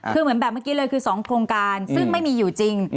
คือเหมือนแบบเมื่อกี้เลยคือ๒โครงการซึ่งไม่มีอยู่จริง